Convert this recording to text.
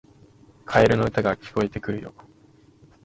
カエルの歌が聞こえてくるよ